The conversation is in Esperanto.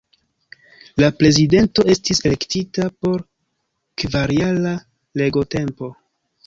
La Prezidento estis elektita por kvarjara regotempo.